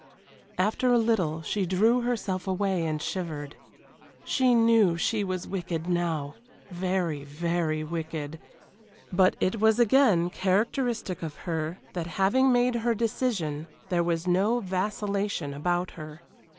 After a little she drew herself away and shivered. She knew she was wicked now very, very wicked but it was again characteristic of her that having made her decision there was no vacillation about her.